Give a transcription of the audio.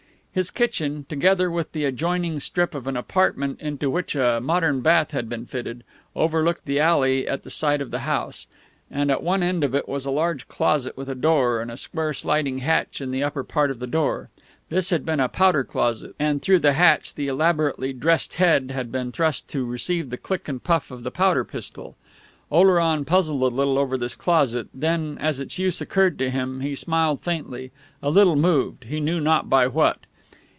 His kitchen, together with the adjoining strip of an apartment into which a modern bath had been fitted, overlooked the alley at the side of the house; and at one end of it was a large closet with a door, and a square sliding hatch in the upper part of the door. This had been a powder closet, and through the hatch the elaborately dressed head had been thrust to receive the click and puff of the powder pistol. Oleron puzzled a little over this closet; then, as its use occurred to him, he smiled faintly, a little moved, he knew not by what....